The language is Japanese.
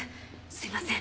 すみません